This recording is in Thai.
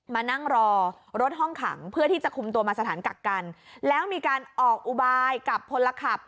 มานั่งรอรถห้องขังเพื่อที่จะคุมตัวมาสถานกักกันแล้วมีการออกอุบายกับพลขับ